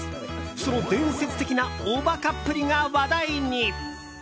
その伝説的なお馬鹿っぷりが話題に。